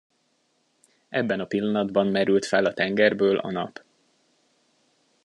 Ebben a pillanatban merült fel a tengerből a nap.